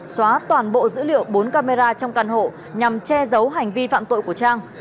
xóa toàn bộ dữ liệu bốn camera trong căn hộ nhằm che giấu hành vi phạm tội của trang